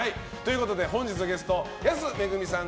本日のゲスト安めぐみさん